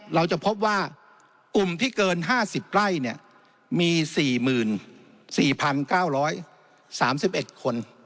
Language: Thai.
เราจะพบว่ากลุ่มที่เกิน๕๐ไร่มี๔๔๙๓๑คน